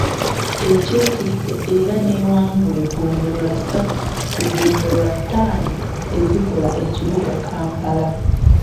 Ekyetisse era n’ewangula eggombolola ssatu ku ggombolola ttaano ezikola ekibuga Kampala.